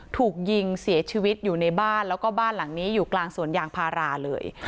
ถูกยิงเสียชีวิตอยู่ในบ้านแล้วก็บ้านหลังนี้อยู่กลางสวนยางพาราเลย